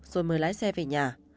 rồi mới lái xe về nhà